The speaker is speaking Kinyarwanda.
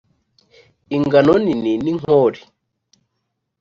ingano nini n’inkori,